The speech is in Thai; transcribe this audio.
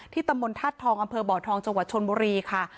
ตำบลธาตุทองอำเภอบ่อทองจังหวัดชนบุรีค่ะ